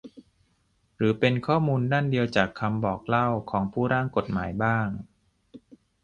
หรือเป็นข้อมูลด้านเดียวจากคำบอกเล่าของผู้ร่างกฎหมายบ้าง